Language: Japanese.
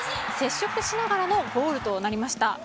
接触しながらのゴールとなりました。